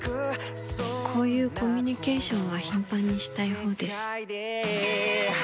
こういうコミュニケーションは頻繁にしたいほうです。